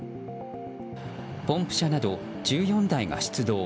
ポンプ車など１４台が出動。